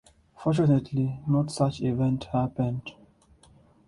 Fortunately, no such event happened.